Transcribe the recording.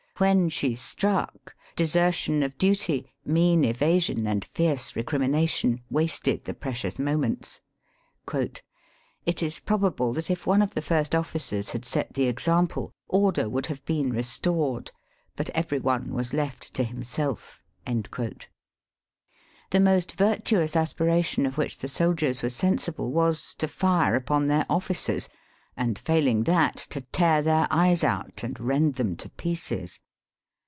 When she struck, desertion of duty, mean evasion and fierce re crimination, wasted the precious moments. "It is probable that if one of the first officers had set the example, order would have been re stored ; butevery one was leftto himself." The most virtuous aspiration of which the soldiers were sensible, was, to fire upon their officers, and, failing that, to tear their eyes out and rend them to pieces.